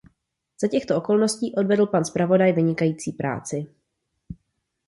Za těchto okolností odvedl pan zpravodaj vynikající práci.